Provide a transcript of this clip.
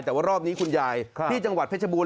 แต่ว่ารอบนี้คุณยายที่จังหวัดเพชรบูร